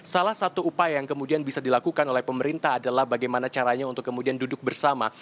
salah satu upaya yang kemudian bisa dilakukan oleh pemerintah adalah bagaimana caranya untuk kemudian duduk bersama